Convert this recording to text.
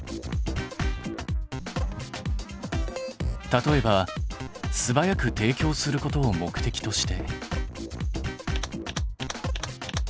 例えばすばやく提供することを目的として。